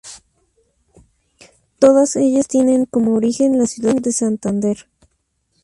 Todas ellas tienen como origen la ciudad de Santander.